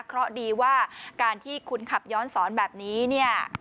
เพราะดีว่าการที่คุณขับย้อนสอนแบบนี้เนี่ย